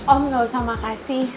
om nggak usah makasih